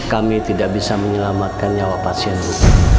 kami tidak bisa menyelamatkan nyawa pasienku